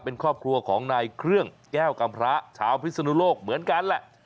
เป็นครอบครัวของนายเครื่องแก้วกำพระชาวพิศนุโลกเหมือนกันแหละ